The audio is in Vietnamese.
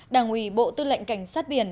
đảng ủy bộ tư lệnh cảnh sát biển